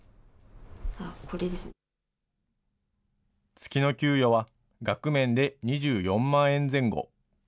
月の給与は額面で２４万円前後。